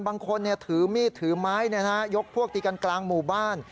บางทีถือมีดถือไม้ยกพวกตีกันกลางหมู่บ้าน